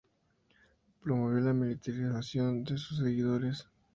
Promovió la militarización de sus seguidores.